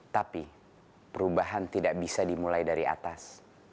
tapi perubahan tidak bisa dimulai dari atas